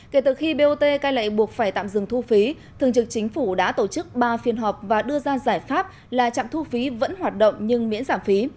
kể từ khi bot cai lệ buộc phải tạm dừng thu phí thường trực chính phủ đã tổ chức ba phiên họp và đưa ra giải pháp là trạm thu phí vẫn hoạt động nhưng miễn giảm phí